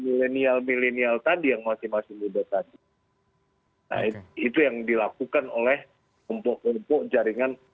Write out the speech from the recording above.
milenial milenial tadi yang masih masih muda tadi nah itu yang dilakukan oleh kelompok kelompok jaringan